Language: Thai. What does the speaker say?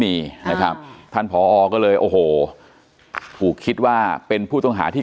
มีนะครับท่านผอก็เลยโอ้โหถูกคิดว่าเป็นผู้ต้องหาที่